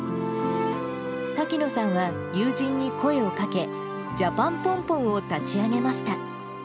滝野さんは友人に声をかけ、ジャパンポンポンを立ち上げました。